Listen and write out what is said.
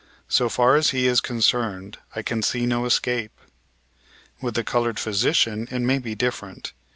So far as he is concerned, I can see no escape. With the colored physician it may be different.